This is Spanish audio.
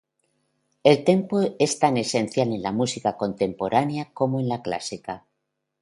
El "tempo" es tan esencial en la música contemporánea como en la clásica.